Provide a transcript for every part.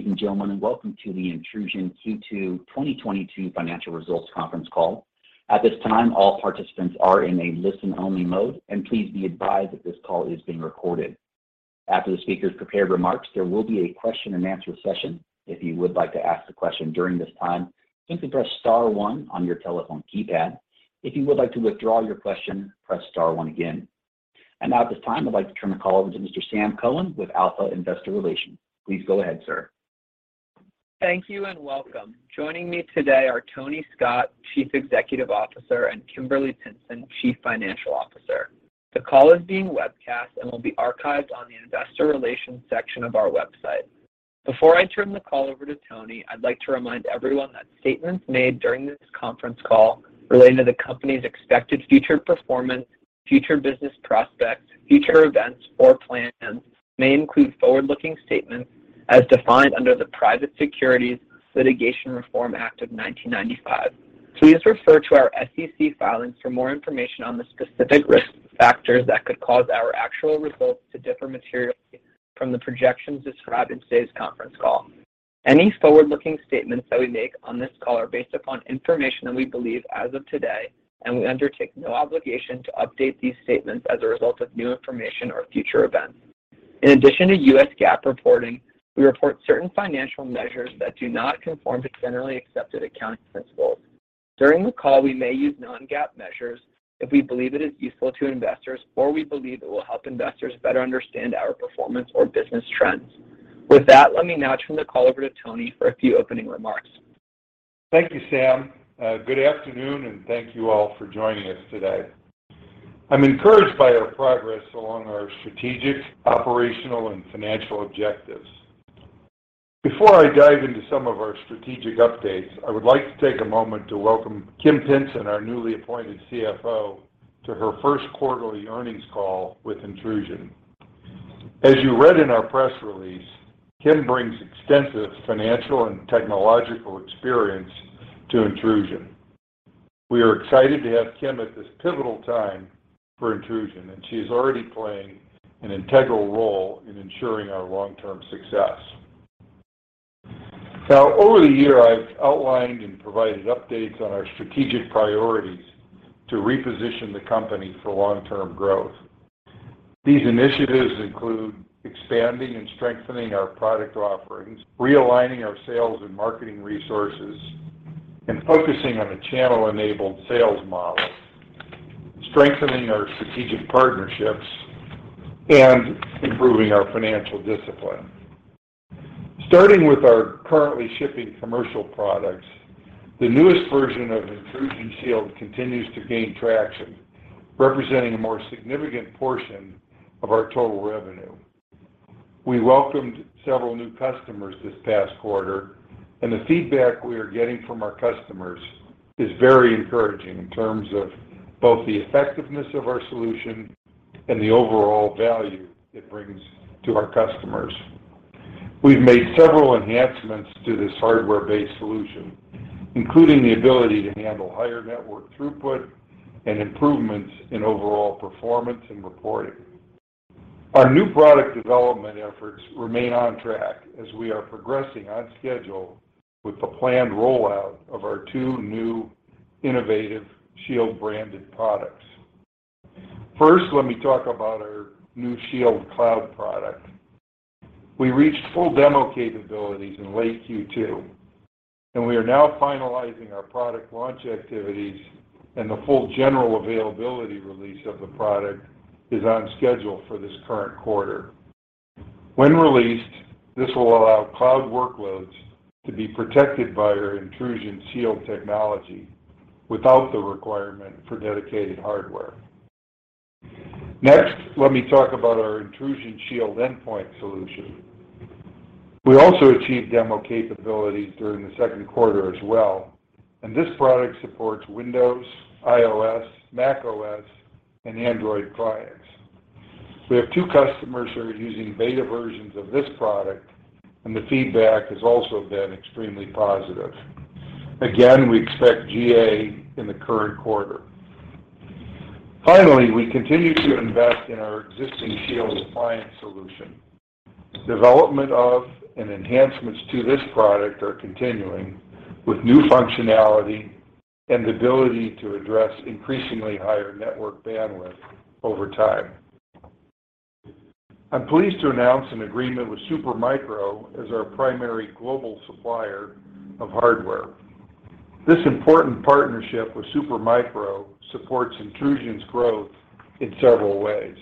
Good evening, gentlemen, and welcome to the Intrusion Q2 2022 financial results conference call. At this time, all participants are in a listen-only mode, and please be advised that this call is being recorded. After the speaker's prepared remarks, there will be a question-and-answer session. If you would like to ask a question during this time, simply press star one on your telephone keypad. If you would like to withdraw your question, press star one again. Now at this time, I'd like to turn the call over to Mr. Sam Cohen with Alpha Investor Relations. Please go ahead, sir. Thank you, and welcome. Joining me today are Tony Scott, Chief Executive Officer, and Kimberly Pinson, Chief Financial Officer. The call is being webcast and will be archived on the investor relations section of our website. Before I turn the call over to Tony, I'd like to remind everyone that statements made during this conference call relating to the company's expected future performance, future business prospects, future events, or plans may include forward-looking statements as defined under the Private Securities Litigation Reform Act of 1995. Please refer to our SEC filings for more information on the specific risk factors that could cause our actual results to differ materially from the projections described in today's conference call. Any forward-looking statements that we make on this call are based upon information that we believe as of today, and we undertake no obligation to update these statements as a result of new information or future events. In addition to U.S. GAAP reporting, we report certain financial measures that do not conform to generally accepted accounting principles. During the call, we may use non-GAAP measures if we believe it is useful to investors or we believe it will help investors better understand our performance or business trends. With that, let me now turn the call over to Tony for a few opening remarks. Thank you, Sam. Good afternoon, and thank you all for joining us today. I'm encouraged by our progress along our strategic, operational, and financial objectives. Before I dive into some of our strategic updates, I would like to take a moment to welcome Kim Pinson, our newly appointed CFO, to her first quarterly earnings call with Intrusion. As you read in our press release, Kim brings extensive financial and technological experience to Intrusion. We are excited to have Kim at this pivotal time for Intrusion, and she is already playing an integral role in ensuring our long-term success. Now, over the year, I've outlined and provided updates on our strategic priorities to reposition the company for long-term growth. These initiatives include expanding and strengthening our product offerings, realigning our sales and marketing resources, and focusing on a channel-enabled sales model, strengthening our strategic partnerships, and improving our financial discipline. Starting with our currently shipping commercial products, the newest version of Intrusion Shield continues to gain traction, representing a more significant portion of our total revenue. We welcomed several new customers this past quarter, and the feedback we are getting from our customers is very encouraging in terms of both the effectiveness of our solution and the overall value it brings to our customers. We've made several enhancements to this hardware-based solution, including the ability to handle higher network throughput and improvements in overall performance and reporting. Our new product development efforts remain on track as we are progressing on schedule with the planned rollout of our two new innovative Shield-branded products. First, let me talk about our new Shield Cloud product. We reached full demo capabilities in late Q2, and we are now finalizing our product launch activities, and the full general availability release of the product is on schedule for this current quarter. When released, this will allow cloud workloads to be protected by our Intrusion Shield technology without the requirement for dedicated hardware. Next, let me talk about our Intrusion Shield Endpoint solution. We also achieved demo capabilities during the second quarter as well, and this product supports Windows, iOS, macOS, and Android clients. We have two customers who are using beta versions of this product, and the feedback has also been extremely positive. Again, we expect GA in the current quarter. Finally, we continue to invest in our existing Shield Appliance solution. Development of and enhancements to this product are continuing with new functionality and the ability to address increasingly higher network bandwidth over time. I'm pleased to announce an agreement with Supermicro as our primary global supplier of hardware. This important partnership with Supermicro supports Intrusion's growth in several ways.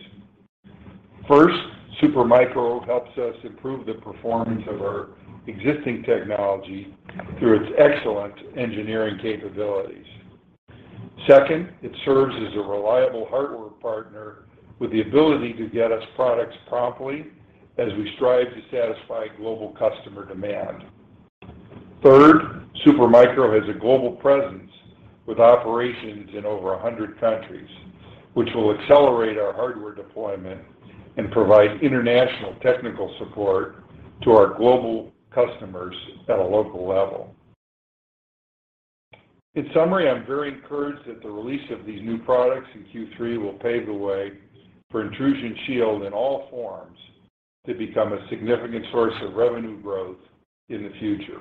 First, Supermicro helps us improve the performance of our existing technology through its excellent engineering capabilities. Second, it serves as a reliable hardware partner with the ability to get us products promptly as we strive to satisfy global customer demand. Third, Supermicro has a global presence with operations in over a hundred countries, which will accelerate our hardware deployment and provide international technical support to our global customers at a local level. In summary, I'm very encouraged that the release of these new products in Q3 will pave the way for Intrusion Shield in all forms to become a significant source of revenue growth in the future.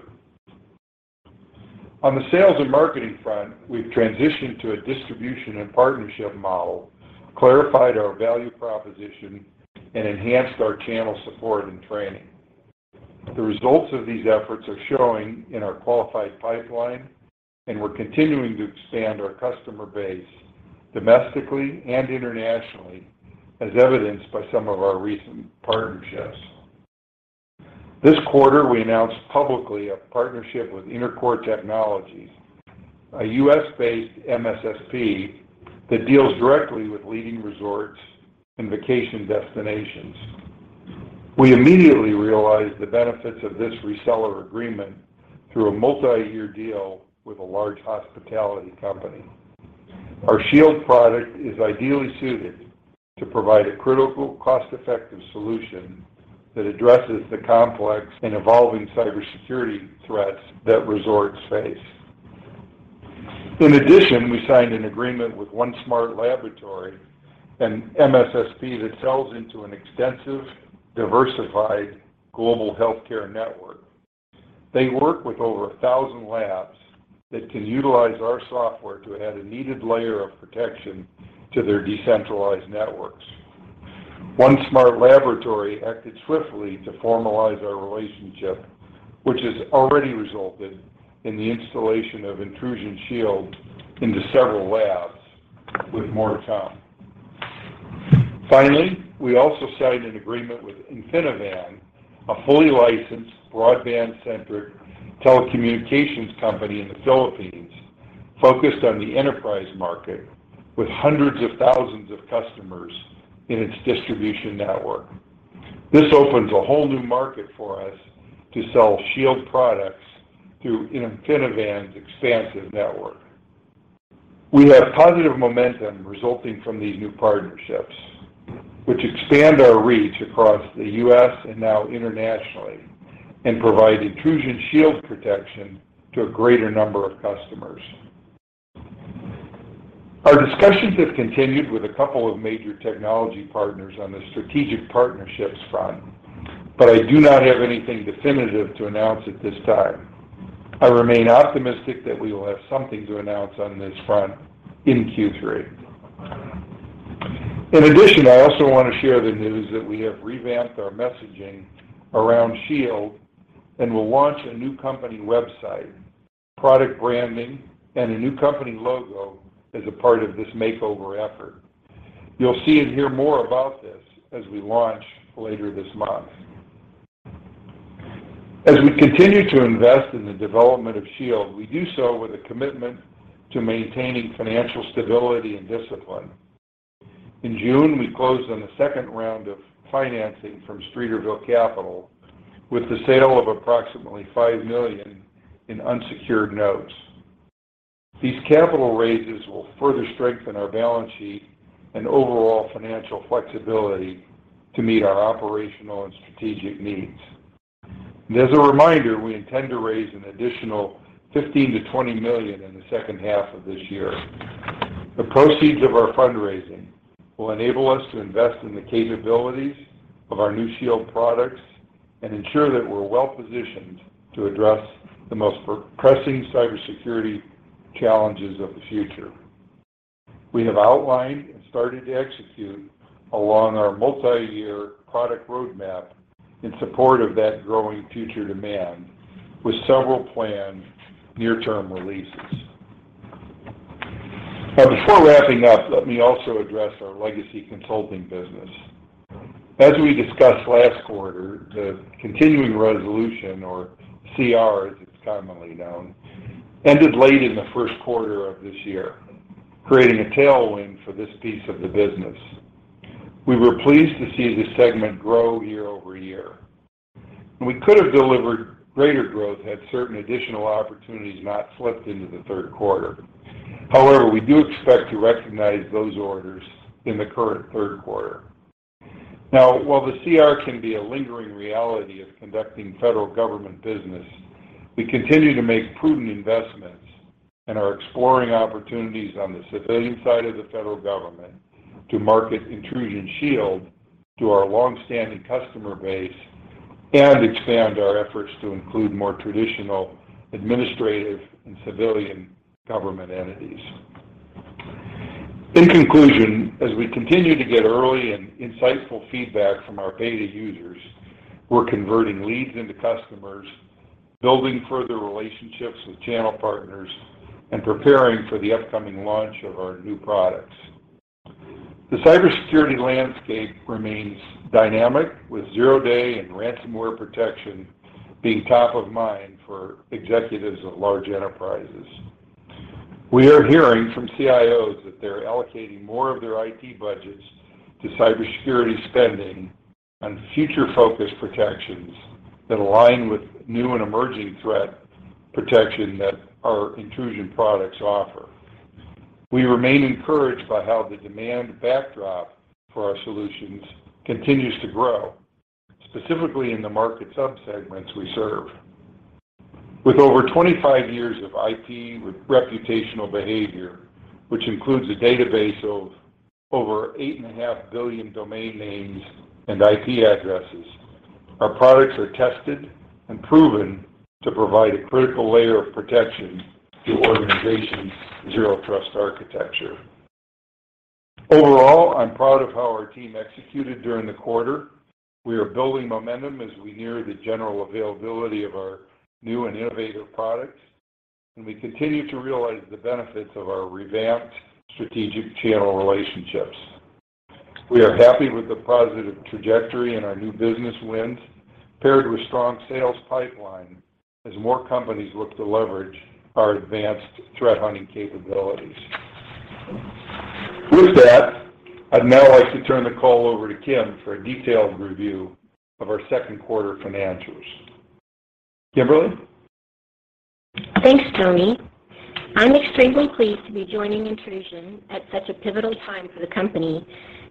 On the sales and marketing front, we've transitioned to a distribution and partnership model, clarified our value proposition, and enhanced our channel support and training. The results of these efforts are showing in our qualified pipeline, and we're continuing to expand our customer base domestically and internationally, as evidenced by some of our recent partnerships. This quarter, we announced publicly a partnership with InnerCore Technologies, a U.S. based MSSP that deals directly with leading resorts and vacation destinations. We immediately realized the benefits of this reseller agreement through a multi-year deal with a large hospitality company. Our Shield product is ideally suited to provide a critical cost-effective solution that addresses the complex and evolving cybersecurity threats that resorts face. In addition, we signed an agreement with One Smart Laboratory, an MSSP that sells into an extensive, diversified global healthcare network. They work with over 1,000 labs that can utilize our software to add a needed layer of protection to their decentralized networks. One Smart Laboratory acted swiftly to formalize our relationship, which has already resulted in the installation of Intrusion Shield into several labs with more to come. Finally, we also signed an agreement with InfiniVAN, a fully licensed broadband-centric telecommunications company in the Philippines, focused on the enterprise market with hundreds of thousands of customers in its distribution network. This opens a whole new market for us to sell Shield products through InfiniVAN's expansive network. We have positive momentum resulting from these new partnerships, which expand our reach across the U.S. and now internationally, and provide Intrusion Shield protection to a greater number of customers. Our discussions have continued with a couple of major technology partners on the strategic partnerships front, but I do not have anything definitive to announce at this time. I remain optimistic that we will have something to announce on this front in Q3. In addition, I also want to share the news that we have revamped our messaging around Shield and will launch a new company website, product branding, and a new company logo as a part of this makeover effort. You'll see and hear more about this as we launch later this month. As we continue to invest in the development of Shield, we do so with a commitment to maintaining financial stability and discipline. In June, we closed on a second round of financing from Streeterville Capital with the sale of approximately $5 million in unsecured notes. These capital raises will further strengthen our balance sheet and overall financial flexibility to meet our operational and strategic needs. As a reminder, we intend to raise an additional $15 million-$20 million in the second half of this year. The proceeds of our fundraising will enable us to invest in the capabilities of our new Shield products and ensure that we're well-positioned to address the most pressing cybersecurity challenges of the future. We have outlined and started to execute along our multi-year product roadmap in support of that growing future demand with several planned near-term releases. Now before wrapping up, let me also address our legacy consulting business. As we discussed last quarter, the continuing resolution, or CR as it's commonly known, ended late in the first quarter of this year, creating a tailwind for this piece of the business. We were pleased to see this segment grow year over year. We could have delivered greater growth had certain additional opportunities not slipped into the third quarter. However, we do expect to recognize those orders in the current third quarter. Now, while the CR can be a lingering reality of conducting federal government business, we continue to make prudent investments and are exploring opportunities on the civilian side of the federal government to market Intrusion Shield to our long-standing customer base and expand our efforts to include more traditional administrative and civilian government entities. In conclusion, as we continue to get early and insightful feedback from our beta users, we're converting leads into customers, building further relationships with channel partners, and preparing for the upcoming launch of our new products. The cybersecurity landscape remains dynamic, with zero-day and ransomware protection being top of mind for executives of large enterprises. We are hearing from CIOs that they're allocating more of their IT budgets to cybersecurity spending and future-focused protections that align with new and emerging threat protection that our Intrusion products offer. We remain encouraged by how the demand backdrop for our solutions continues to grow, specifically in the market subsegments we serve. With over 25 years of IP reputational behavior, which includes a database of over 8.5 billion domain names and IP addresses, our products are tested and proven to provide a critical layer of protection to organizations' Zero Trust architecture. Overall, I'm proud of how our team executed during the quarter. We are building momentum as we near the general availability of our new and innovative products, and we continue to realize the benefits of our revamped strategic channel relationships. We are happy with the positive trajectory and our new business wins, paired with strong sales pipeline as more companies look to leverage our advanced threat hunting capabilities. With that, I'd now like to turn the call over to Kim for a detailed review of our second quarter financials. Kimberly? Thanks, Tony. I'm extremely pleased to be joining Intrusion at such a pivotal time for the company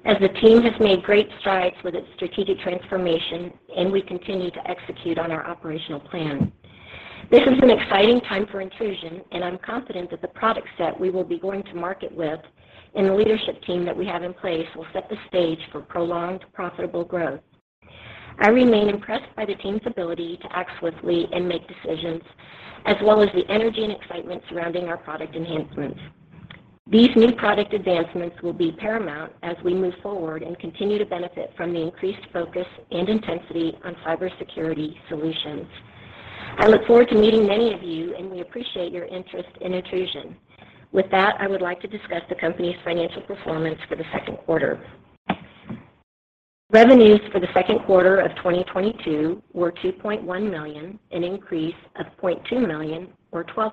as the team has made great strides with its strategic transformation, and we continue to execute on our operational plan. This is an exciting time for Intrusion, and I'm confident that the product set we will be going to market with and the leadership team that we have in place will set the stage for prolonged, profitable growth. I remain impressed by the team's ability to act swiftly and make decisions, as well as the energy and excitement surrounding our product enhancements. These new product advancements will be paramount as we move forward and continue to benefit from the increased focus and intensity on cybersecurity solutions. I look forward to meeting many of you, and we appreciate your interest in Intrusion. With that, I would like to discuss the company's financial performance for the second quarter. Revenues for the second quarter of 2022 were $2.1 million, an increase of $0.2 million or 12%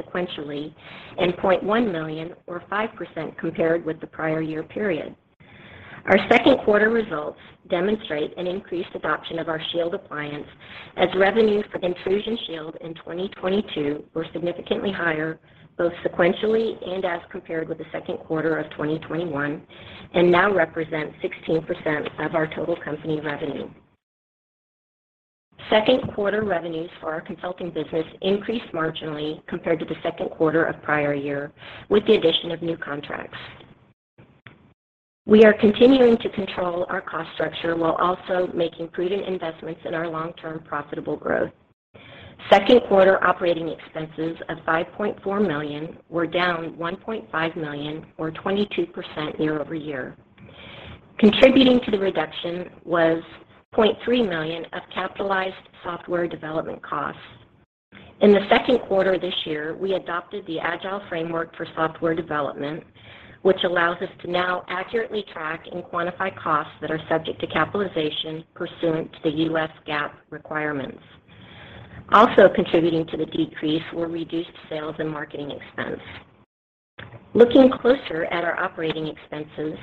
sequentially, and $0.1 million or 5% compared with the prior year period. Our second quarter results demonstrate an increased adoption of our Shield appliance as revenues for Intrusion Shield in 2022 were significantly higher both sequentially and as compared with the second quarter of 2021 and now represent 16% of our total company revenue. Second quarter revenues for our consulting business increased marginally compared to the second quarter of prior year with the addition of new contracts. We are continuing to control our cost structure while also making prudent investments in our long-term profitable growth. Second quarter operating expenses of $5.4 million were down $1.5 million or 22% year-over-year. Contributing to the reduction was $0.3 million of capitalized software development costs. In the second quarter this year, we adopted the Agile framework for software development, which allows us to now accurately track and quantify costs that are subject to capitalization pursuant to the U.S. GAAP requirements. Also contributing to the decrease were reduced sales and marketing expense. Looking closer at our operating expenses,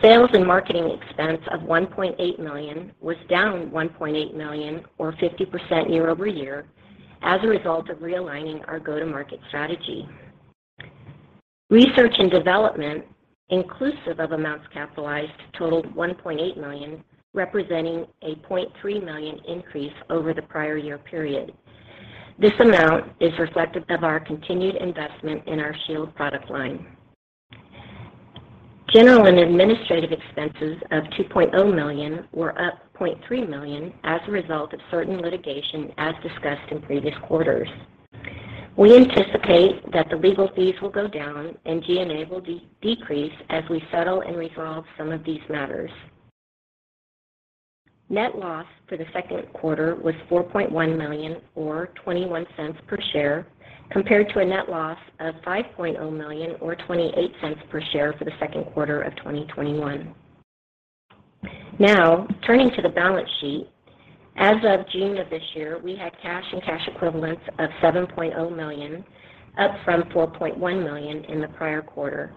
sales and marketing expense of $1.8 million was down $1.8 million or 50% year-over-year as a result of realigning our go-to-market strategy. Research and development, inclusive of amounts capitalized, totaled $1.8 million, representing a $0.3 million increase over the prior year period. This amount is reflective of our continued investment in our SHIELD product line. General and administrative expenses of $2.0 million were up $0.3 million as a result of certain litigation as discussed in previous quarters. We anticipate that the legal fees will go down and G&A will decrease as we settle and resolve some of these matters. Net loss for the second quarter was $4.1 million or $0.21 per share, compared to a net loss of $5.0 million or $0.28 per share for the second quarter of 2021. Now, turning to the balance sheet. As of June of this year, we had cash and cash equivalents of $7.0 million, up from $4.1 million in the prior quarter.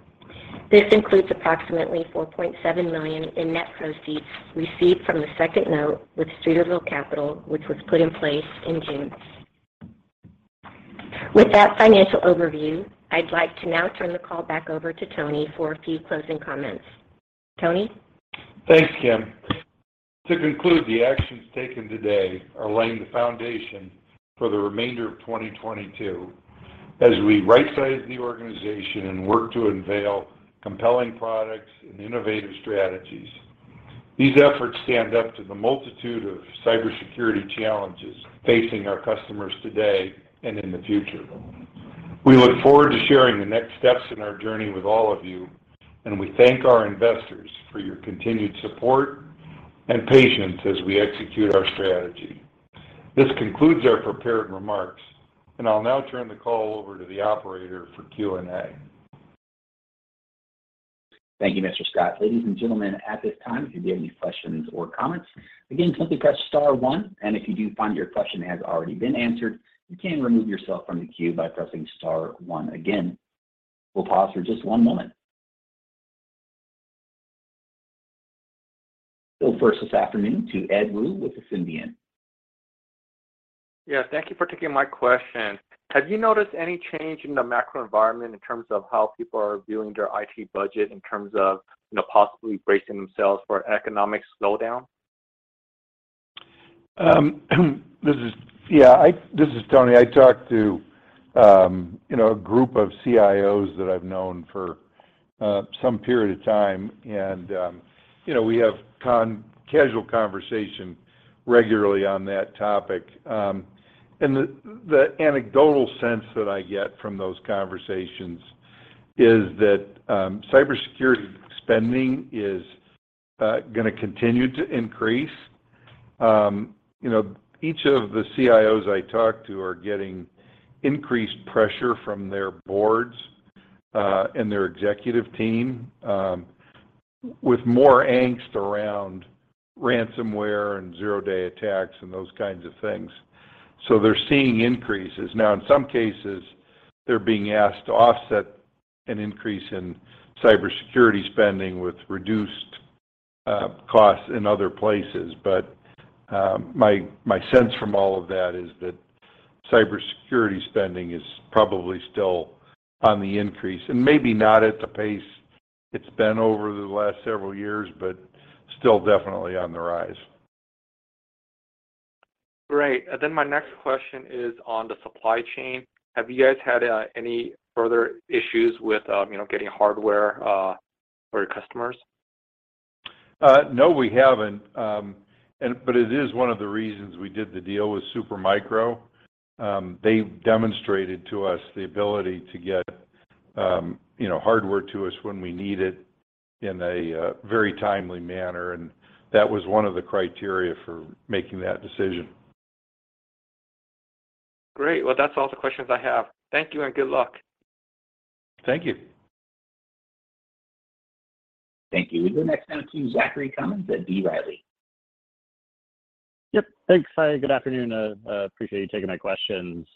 This includes approximately $4.7 million in net proceeds received from the second note with Streeterville Capital, which was put in place in June. With that financial overview, I'd like to now turn the call back over to Tony for a few closing comments. Tony? Thanks, Kim. To conclude, the actions taken today are laying the foundation for the remainder of 2022 as we right-size the organization and work to unveil compelling products and innovative strategies. These efforts stand up to the multitude of cybersecurity challenges facing our customers today and in the future. We look forward to sharing the next steps in our journey with all of you, and we thank our investors for your continued support and patience as we execute our strategy. This concludes our prepared remarks, and I'll now turn the call over to the operator for Q&A. Thank you, Mr. Scott. Ladies and gentlemen, at this time, if you do have any questions or comments, again, simply press star one. If you do find your question has already been answered, you can remove yourself from the queue by pressing star one again. We'll pause for just one moment. We'll first this afternoon to Ed Woo with Ascendiant. Yeah, thank you for taking my question. Have you noticed any change in the macro environment in terms of how people are viewing their IT budget in terms of, you know, possibly bracing themselves for an economic slowdown? This is Tony. I talked to, you know, a group of CIOs that I've known for some period of time and, you know, we have casual conversation regularly on that topic. The anecdotal sense that I get from those conversations is that cybersecurity spending is gonna continue to increase. You know, each of the CIOs I talk to are getting increased pressure from their boards and their executive team with more angst around ransomware and zero-day attacks and those kinds of things. They're seeing increases. Now, in some cases, they're being asked to offset an increase in cybersecurity spending with reduced costs in other places. My sense from all of that is that cybersecurity spending is probably still on the increase, and maybe not at the pace it's been over the last several years, but still definitely on the rise. Great. My next question is on the supply chain. Have you guys had any further issues with, you know, getting hardware for your customers? No, we haven't. It is one of the reasons we did the deal with Supermicro. They demonstrated to us the ability to get, you know, hardware to us when we need it in a very timely manner, and that was one of the criteria for making that decision. Great. Well, that's all the questions I have. Thank you and good luck. Thank you. Thank you. We go next now to Zachary Cummins at B. Riley. Yep. Thanks. Hi, good afternoon. Appreciate you taking my questions.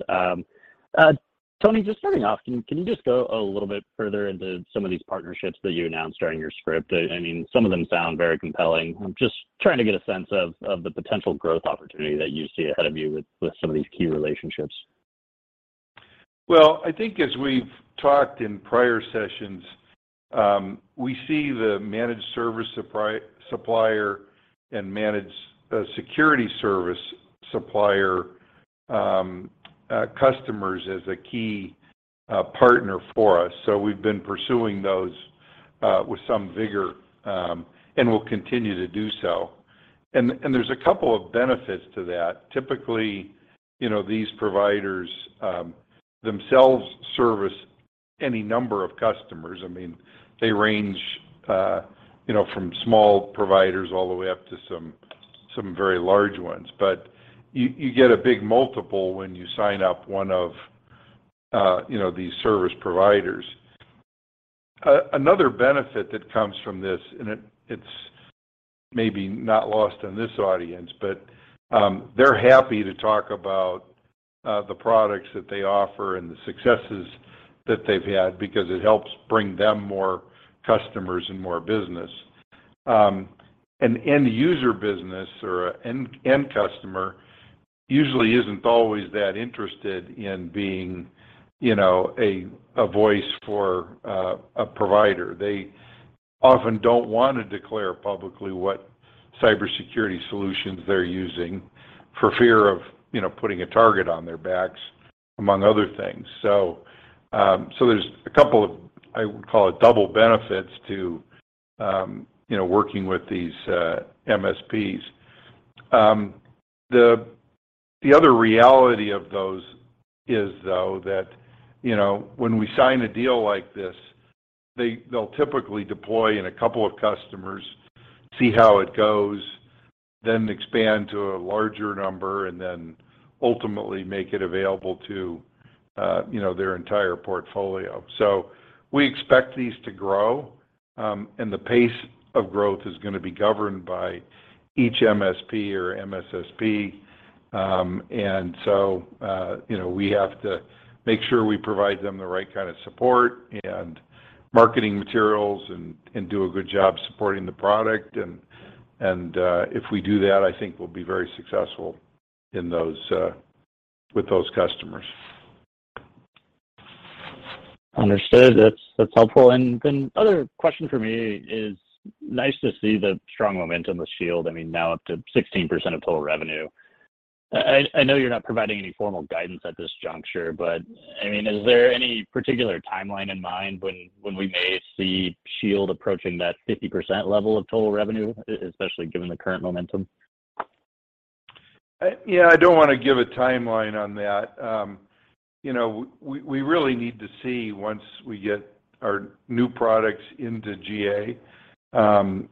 Tony, just starting off, can you just go a little bit further into some of these partnerships that you announced during your script? I mean, some of them sound very compelling. I'm just trying to get a sense of the potential growth opportunity that you see ahead of you with some of these key relationships. Well, I think as we've talked in prior sessions, we see the managed service provider and managed security service provider customers as a key partner for us. We've been pursuing those with some vigor, and we'll continue to do so. There's a couple of benefits to that. Typically, you know, these providers themselves service any number of customers. I mean, they range, you know, from small providers all the way up to some very large ones. You get a big multiple when you sign up one of, you know, these service providers. Another benefit that comes from this, and it's maybe not lost on this audience, but they're happy to talk about the products that they offer and the successes that they've had because it helps bring them more customers and more business. An end user business or an end customer usually isn't always that interested in being, you know, a voice for a provider. They often don't want to declare publicly what cybersecurity solutions they're using for fear of, you know, putting a target on their backs, among other things. There's a couple of, I would call it double benefits to, you know, working with these MSPs. The other reality of those is, though, that, you know, when we sign a deal like this, they'll typically deploy in a couple of customers, see how it goes, then expand to a larger number, and then ultimately make it available to, you know, their entire portfolio. We expect these to grow, and the pace of growth is gonna be governed by each MSP or MSSP. You know, we have to make sure we provide them the right kind of support and marketing materials and, if we do that, I think we'll be very successful in those, with those customers. Understood. That's helpful. Other question for me is nice to see the strong momentum with Shield. I mean, now up to 16% of total revenue. I know you're not providing any formal guidance at this juncture, but I mean, is there any particular timeline in mind when we may see Shield approaching that 50% level of total revenue, especially given the current momentum? Yeah, I don't wanna give a timeline on that. You know, we really need to see once we get our new products into GA,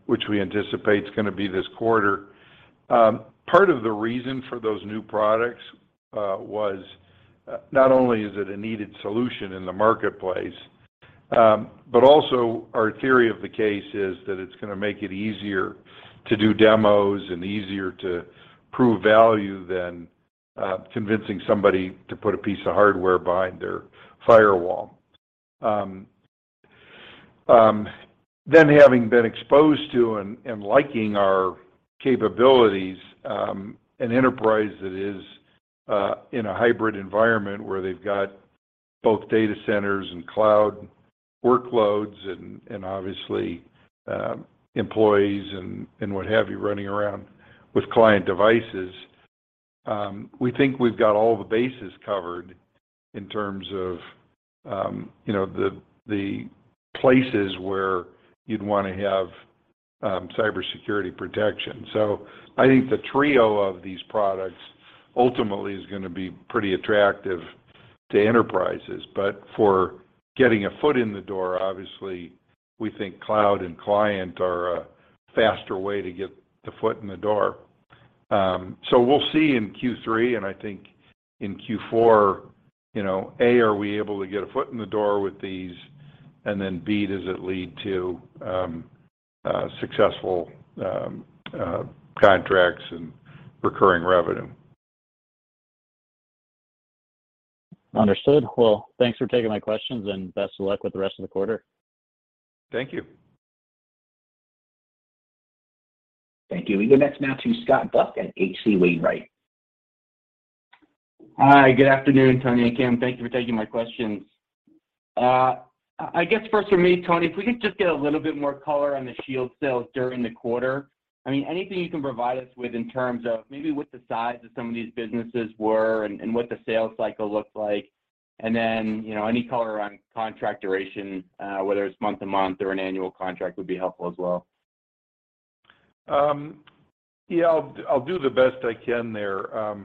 which we anticipate is gonna be this quarter. Part of the reason for those new products was not only is it a needed solution in the marketplace, but also our theory of the case is that it's gonna make it easier to do demos and easier to prove value than convincing somebody to put a piece of hardware behind their firewall. Having been exposed to and liking our capabilities, an enterprise that is in a hybrid environment where they've got both data centers and cloud workloads and obviously employees and what have you running around with client devices, we think we've got all the bases covered in terms of you know the places where you'd wanna have cybersecurity protection. I think the trio of these products ultimately is gonna be pretty attractive to enterprises. For getting a foot in the door, obviously, we think cloud and client are a faster way to get the foot in the door. We'll see in Q3, and I think in Q4, you know, are we able to get a foot in the door with these? Point B, does it lead to successful contracts and recurring revenue? Understood. Well, thanks for taking my questions, and best of luck with the rest of the quarter. Thank you. Thank you. We go next now to Scott Buck at H.C. Wainwright. Hi, good afternoon, Tony and Kim. Thank you for taking my questions. I guess first for me, Tony, if we could just get a little bit more color on the Shield sales during the quarter. I mean, anything you can provide us with in terms of maybe what the size of some of these businesses were and what the sales cycle looked like. Then, you know, any color on contract duration, whether it's month-to-month or an annual contract would be helpful as well. Yeah, I'll do the best I can there.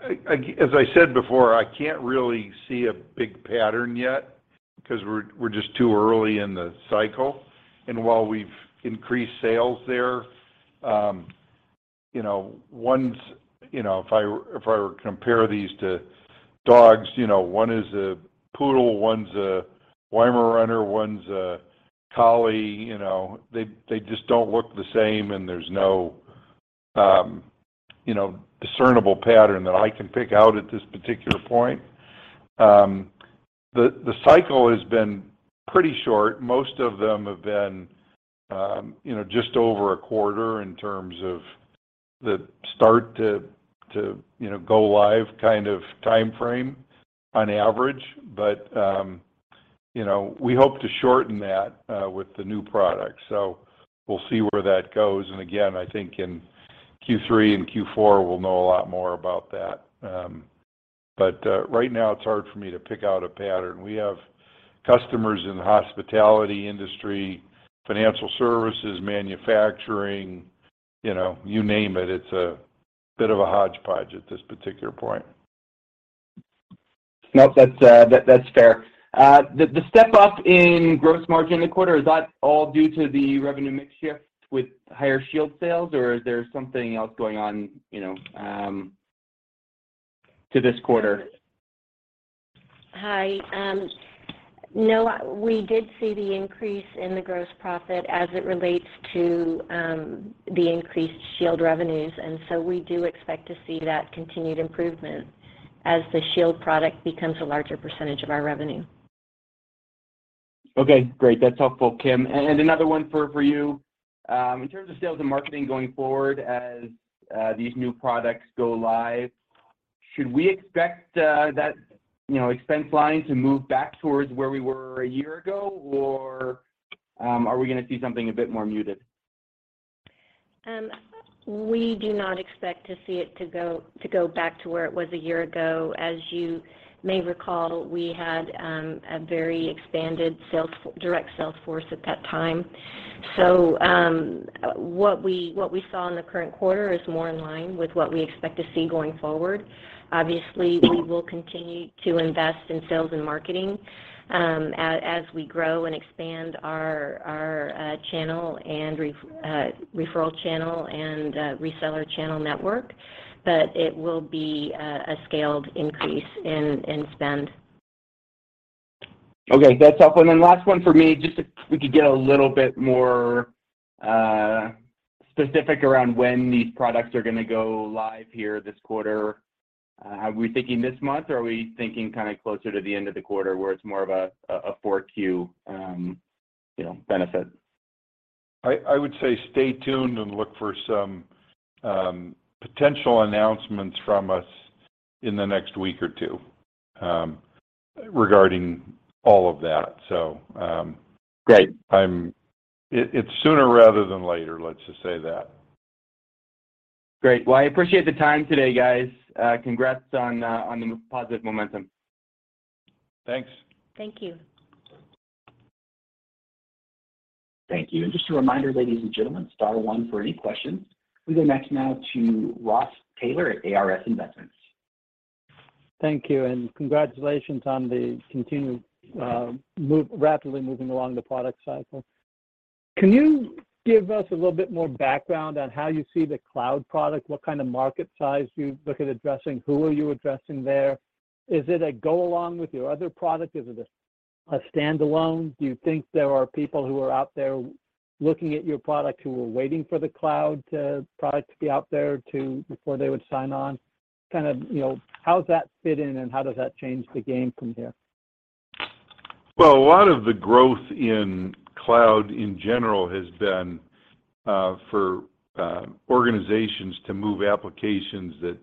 As I said before, I can't really see a big pattern yet 'cause we're just too early in the cycle. While we've increased sales there, you know, one's, you know, if I were to compare these to dogs, you know, one is a poodle, one's a Weimaraner, one's a collie. You know, they just don't look the same and there's no, you know, discernible pattern that I can pick out at this particular point. The cycle has been pretty short. Most of them have been, you know, just over a quarter in terms of the start to, you know, go live kind of timeframe on average. We hope to shorten that with the new product. We'll see where that goes. Again, I think in Q3 and Q4, we'll know a lot more about that. Right now it's hard for me to pick out a pattern. We have customers in the hospitality industry, financial services, manufacturing, you know, you name it's a bit of a hodgepodge at this particular point. Nope, that's fair. The step up in gross margin in the quarter, is that all due to the revenue mix shift with higher Shield sales, or is there something else going on, you know, to this quarter? Hi. No, we did see the increase in the gross profit as it relates to the increased Shield revenues, and so we do expect to see that continued improvement as the Shield product becomes a larger percentage of our revenue. Okay, great. That's helpful, Kim. Another one for you. In terms of sales and marketing going forward as these new products go live, should we expect that you know expense line to move back towards where we were a year ago, or are we gonna see something a bit more muted? We do not expect to see it to go back to where it was a year ago. As you may recall, we had a very expanded direct sales force at that time. What we saw in the current quarter is more in line with what we expect to see going forward. Obviously, we will continue to invest in sales and marketing, as we grow and expand our channel and referral channel and reseller channel network, but it will be a scaled increase in spend. Okay, that's helpful. Last one for me, just if we could get a little bit more specific around when these products are gonna go live here this quarter. Are we thinking this month, or are we thinking kind of closer to the end of the quarter where it's more of a Q4 you know benefit? I would say stay tuned and look for some potential announcements from us in the next week or two regarding all of that. Great It's sooner rather than later, let's just say that. Great. Well, I appreciate the time today, guys. Congrats on the positive momentum. Thanks. Thank you. Thank you. Just a reminder, ladies and gentlemen, star one for any questions. We go next now to Ross Taylor at ARS Investment Partners. Thank you, and congratulations on the continued rapidly moving along the product cycle. Can you give us a little bit more background on how you see the cloud product? What kind of market size do you look at addressing? Who are you addressing there? Is it a go along with your other product? Is it a standalone? Do you think there are people who are out there looking at your product who are waiting for the cloud product to be out there before they would sign on? Kind of, you know, how does that fit in and how does that change the game from here? Well, a lot of the growth in cloud in general has been for organizations to move applications that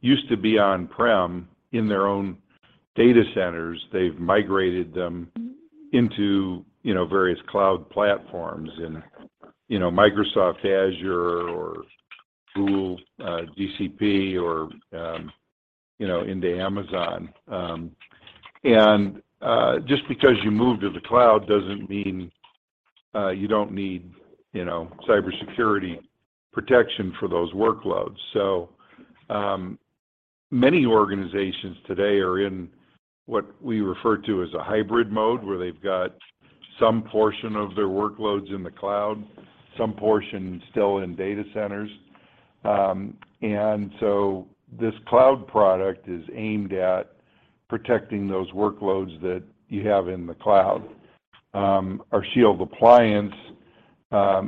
used to be on-prem in their own data centers. They've migrated them into, you know, various cloud platforms and, you know, Microsoft Azure or Google, GCP or, you know, into Amazon. Just because you move to the cloud doesn't mean you don't need, you know, cybersecurity protection for those workloads. Many organizations today are in what we refer to as a hybrid mode, where they've got some portion of their workloads in the cloud, some portion still in data centers. This cloud product is aimed at protecting those workloads that you have in the cloud. Our Shield appliance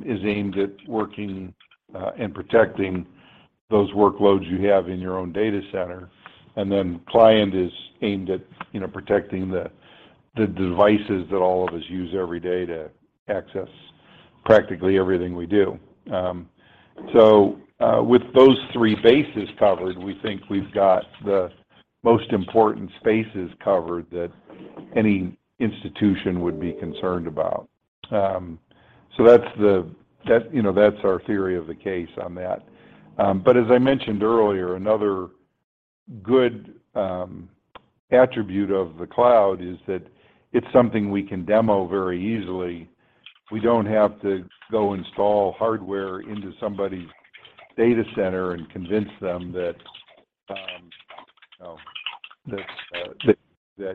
is aimed at working and protecting those workloads you have in your own data center. Client is aimed at, you know, protecting the devices that all of us use every day to access practically everything we do. With those three bases covered, we think we've got the most important spaces covered that any institution would be concerned about. You know, that's our theory of the case on that. As I mentioned earlier, another good attribute of the cloud is that it's something we can demo very easily. We don't have to go install hardware into somebody's data center and convince them that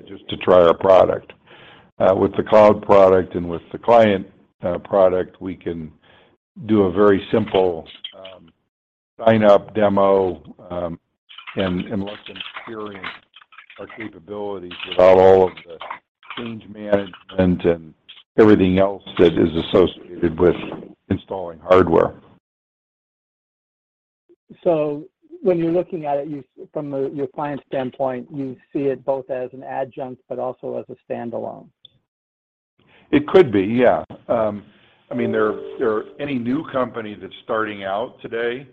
just to try our product. With the cloud product and with the client product, we can do a very simple sign-up demo and let them experience our capabilities without all of the change management and everything else that is associated with installing hardware. When you're looking at it, from your client standpoint, you see it both as an adjunct but also as a standalone. It could be, yeah. I mean, any new company that's starting out today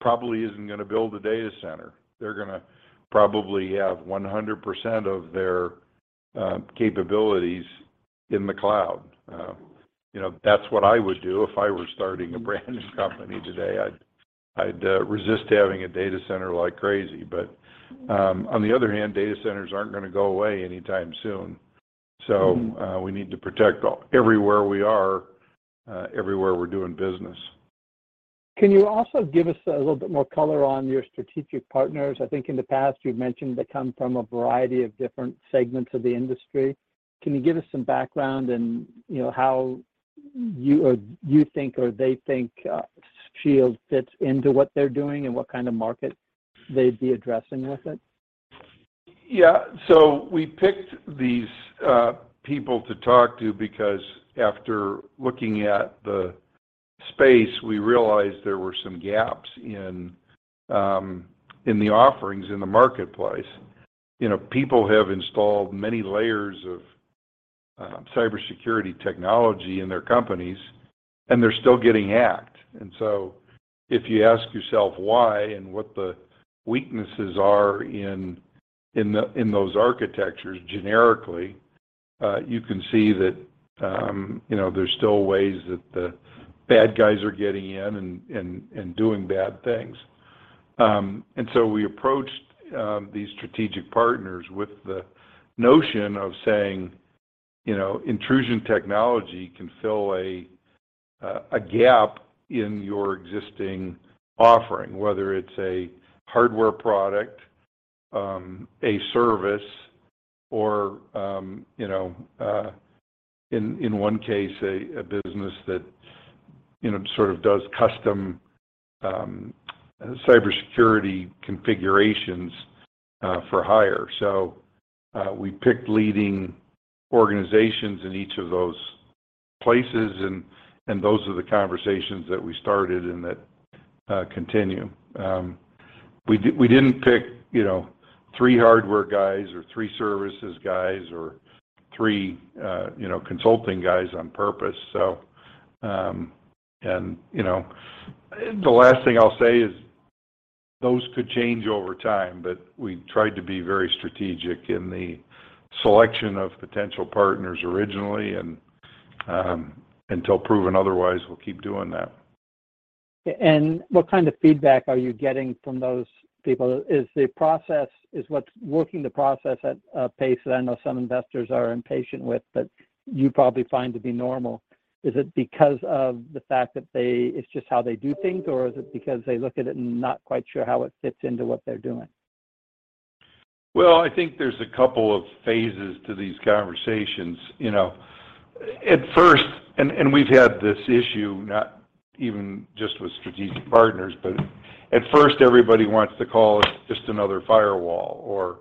probably isn't gonna build a data center. They're gonna probably have 100% of their capabilities in the cloud. You know, that's what I would do if I were starting a brand-new company today. I'd resist having a data center like crazy. On the other hand, data centers aren't gonna go away anytime soon. Mm-hmm We need to protect everywhere we are, everywhere we're doing business. Can you also give us a little bit more color on your strategic partners? I think in the past you've mentioned they come from a variety of different segments of the industry. Can you give us some background and, you know, how you or you think or they think, Shield fits into what they're doing and what kind of market they'd be addressing with it? Yeah. We picked these people to talk to because after looking at the space, we realized there were some gaps in the offerings in the marketplace. You know, people have installed many layers of cybersecurity technology in their companies, and they're still getting hacked. If you ask yourself why and what the weaknesses are in those architectures generically, you can see that, you know, there's still ways that the bad guys are getting in and doing bad things. We approached these strategic partners with the notion of saying, you know, "Intrusion technology can fill a gap in your existing offering, whether it's a hardware product, a service, or, you know, in one case a business that, you know, sort of does custom cybersecurity configurations for hire." We picked leading organizations in each of those places and those are the conversations that we started and that continue. We didn't pick, you know, three hardware guys or three services guys or three, you know, consulting guys on purpose. You know, the last thing I'll say is those could change over time, but we tried to be very strategic in the selection of potential partners originally, and until proven otherwise, we'll keep doing that. What kind of feedback are you getting from those people? Is what's working the process at a pace that I know some investors are impatient with, but you probably find to be normal? Is it because of the fact that they, it's just how they do things, or is it because they look at it and not quite sure how it fits into what they're doing? Well, I think there's a couple of phases to these conversations. You know, at first, and we've had this issue not even just with strategic partners, but at first everybody wants to call it just another firewall or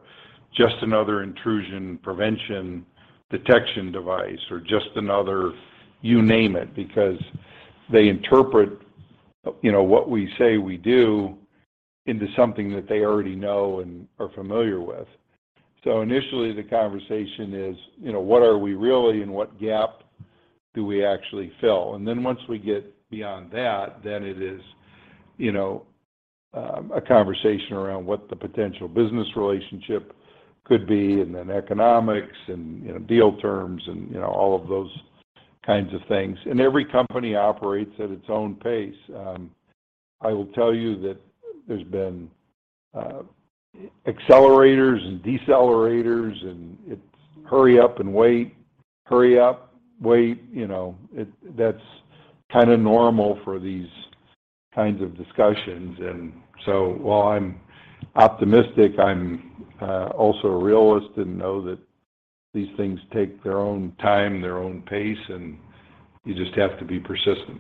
just another intrusion prevention detection device or just another. You name it, because they interpret, you know, what we say we do into something that they already know and are familiar with. Initially, the conversation is, you know, what are we really and what gap do we actually fill? Then once we get beyond that, then it is, you know, a conversation around what the potential business relationship could be, and then economics and, you know, deal terms and, you know, all of those kinds of things. Every company operates at its own pace. I will tell you that there's been accelerators and decelerators, and it's hurry up and wait, hurry up, wait. You know, that's kinda normal for these kinds of discussions. While I'm optimistic, I'm also a realist and know that these things take their own time, their own pace, and you just have to be persistent.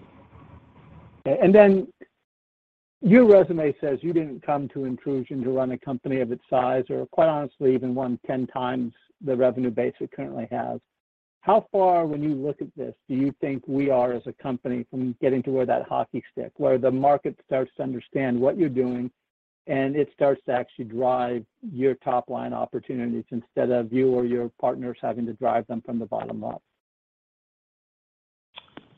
Your resume says you didn't come to Intrusion to run a company of its size or, quite honestly, even one 10 times the revenue base it currently has. How far, when you look at this, do you think we are as a company from getting to where that hockey stick, where the market starts to understand what you're doing, and it starts to actually drive your top-line opportunities instead of you or your partners having to drive them from the bottom up?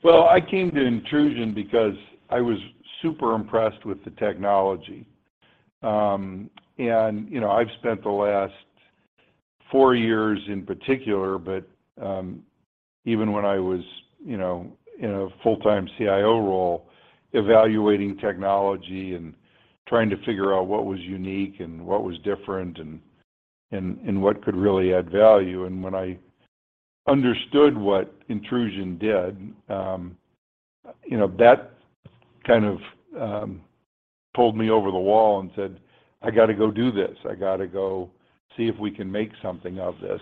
Well, I came to Intrusion because I was super impressed with the technology. You know, I've spent the last four years in particular, but even when I was, you know, in a full-time CIO role, evaluating technology and trying to figure out what was unique and what was different and what could really add value. When I understood what Intrusion did, you know, that kind of pulled me over the wall and said, "I gotta go do this. I gotta go see if we can make something of this."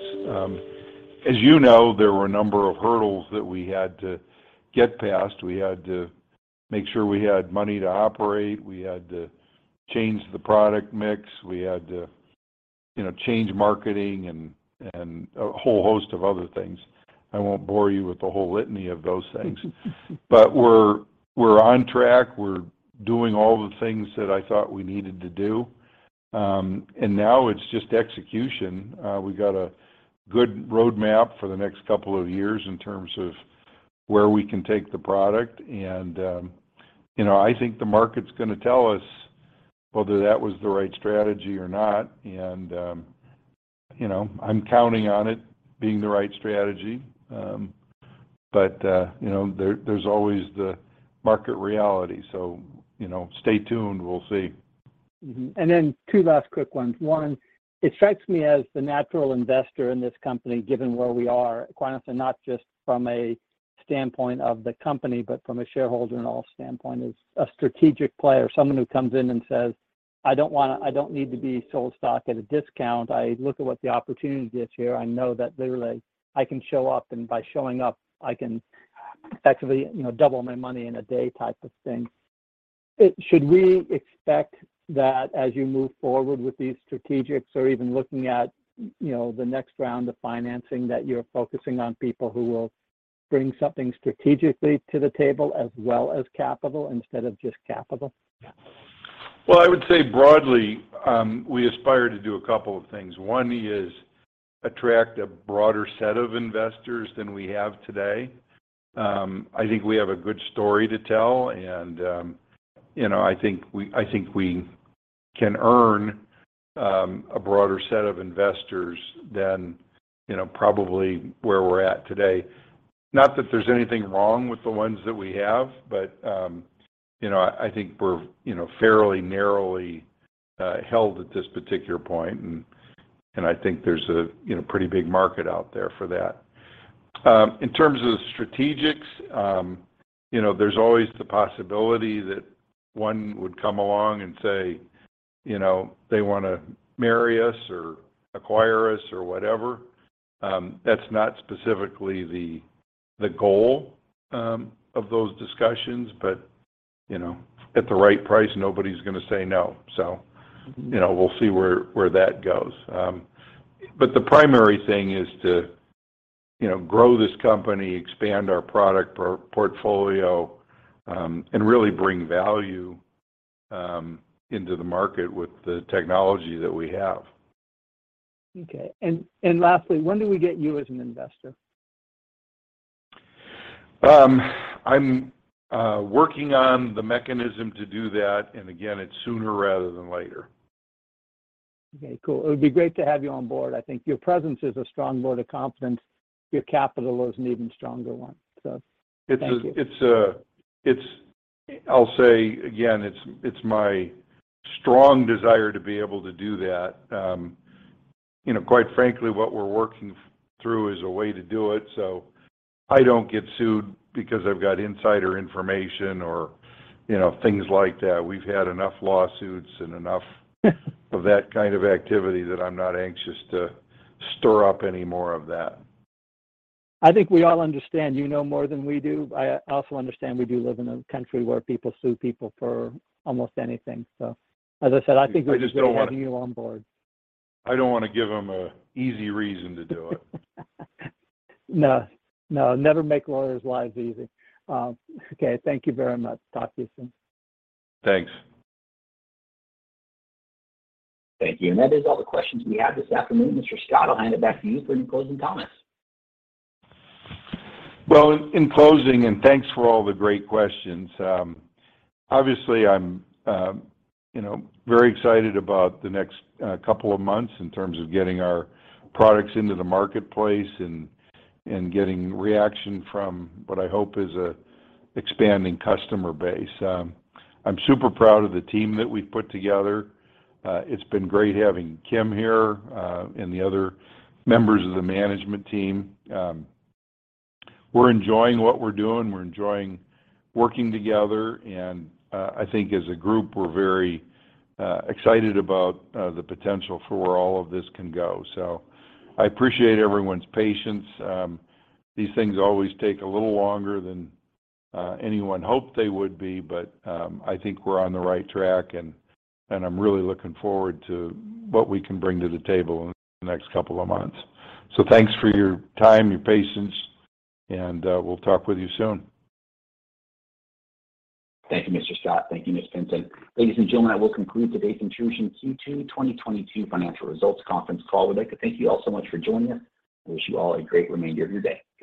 As you know, there were a number of hurdles that we had to get past. We had to make sure we had money to operate. We had to change the product mix. We had to, you know, change marketing and a whole host of other things. I won't bore you with the whole litany of those things. We're on track. We're doing all the things that I thought we needed to do. Now it's just execution. We got a good roadmap for the next couple of years in terms of where we can take the product. You know, I think the market's gonna tell us whether that was the right strategy or not. You know, I'm counting on it being the right strategy. You know, there's always the market reality. You know, stay tuned. We'll see. Two last quick ones. One, it strikes me as the natural investor in this company, given where we are, quite honestly not just from a standpoint of the company, but from a shareholder and all standpoint, is a strategic player, someone who comes in and says, "I don't need to be sold stock at a discount. I look at what the opportunity is here. I know that literally I can show up, and by showing up, I can effectively, you know, double my money in a day type of thing." Should we expect that as you move forward with these strategics or even looking at, you know, the next round of financing, that you're focusing on people who will bring something strategically to the table as well as capital, instead of just capital? Well, I would say broadly, we aspire to do a couple of things. One is attract a broader set of investors than we have today. I think we have a good story to tell, and, you know, I think we can earn a broader set of investors than, you know, probably where we're at today. Not that there's anything wrong with the ones that we have, but, you know, I think we're, you know, fairly narrowly held at this particular point, and I think there's a, you know, pretty big market out there for that. In terms of the strategics, you know, there's always the possibility that one would come along and say, you know, they wanna marry us or acquire us or whatever. That's not specifically the goal of those discussions, but you know, at the right price, nobody's gonna say no. You know, we'll see where that goes. The primary thing is to you know, grow this company, expand our product portfolio, and really bring value into the market with the technology that we have. Okay. Lastly, when do we get you as an investor? I'm working on the mechanism to do that, and again, it's sooner rather than later. Okay, cool. It would be great to have you on board. I think your presence is a strong vote of confidence. Your capital is an even stronger one, so thank you. I'll say again, it's my strong desire to be able to do that. You know, quite frankly, what we're working through is a way to do it, so I don't get sued because I've got insider information or, you know, things like that. We've had enough lawsuits and enough of that kind of activity that I'm not anxious to stir up any more of that. I think we all understand you know more than we do. I also understand we do live in a country where people sue people for almost anything. As I said, I think we just want to have you on board. I just don't wanna give them an easy reason to do it. No, never make lawyers' lives easy. Okay, thank you very much. Talk to you soon. Thanks. Thank you. That is all the questions we have this afternoon. Mr. Scott, I'll hand it back to you for any closing comments. Well, in closing, thanks for all the great questions. Obviously I'm, you know, very excited about the next couple of months in terms of getting our products into the marketplace and getting reaction from what I hope is an expanding customer base. I'm super proud of the team that we've put together. It's been great having Kim here and the other members of the management team. We're enjoying what we're doing. We're enjoying working together. I think as a group, we're very excited about the potential for where all of this can go. I appreciate everyone's patience. These things always take a little longer than anyone hoped they would be, but I think we're on the right track, and I'm really looking forward to what we can bring to the table in the next couple of months. Thanks for your time, your patience, and we'll talk with you soon. Thank you, Mr. Scott. Thank you, Ms. Pinson. Ladies and gentlemen, that will conclude today's Intrusion Q2 2022 financial results conference call. We'd like to thank you all so much for joining us and wish you all a great remainder of your day. Goodbye.